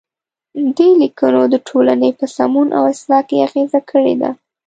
دې لیکنو د ټولنې په سمون او اصلاح کې اغیزه کړې ده.